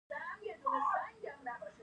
د پنبې فابریکې ولې تړل شوې وې؟